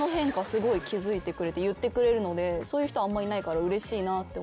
すごい気付いてくれて言ってくれるのでそういう人あんまいないからうれしいなって。